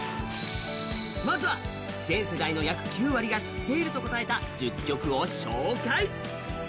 まずは全世代の約９割が知っていると答えた１０曲を紹介。